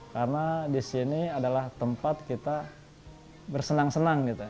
karena di sini adalah tempat kita bersenang senang gitu